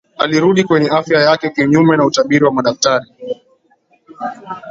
alirudi kwenye afya yake kinyume na utabiri wa madaktari